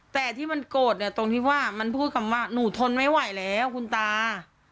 แต่ที่มันโกรธเนี่ยตรงที่ว่ามันพูดคำว่าหนูทนไม่ไหวแล้วคุณตา